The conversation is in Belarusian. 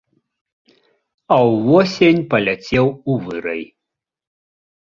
А ўвосень паляцеў у вырай.